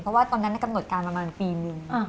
เพราะว่าตอนนั้นกำหนดการประมาณปีหนึ่ง